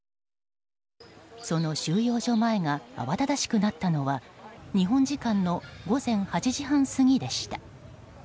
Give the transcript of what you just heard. その収容所前が慌ただしくなったのは日本時間の午前８時半過ぎでした。